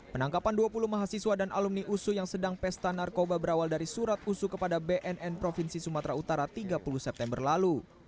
penangkapan dua puluh mahasiswa dan alumni usu yang sedang pesta narkoba berawal dari surat usu kepada bnn provinsi sumatera utara tiga puluh september lalu